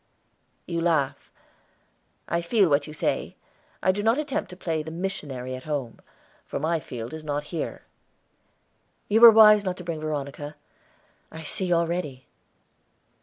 "You laugh. I feel what you say. I do not attempt to play the missionary at home, for my field is not here." "You were wise not to bring Veronica, I see already."